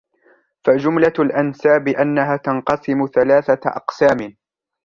فَجُمْلَةُ الْأَنْسَابِ أَنَّهَا تَنْقَسِمُ ثَلَاثَةَ أَقْسَامٍ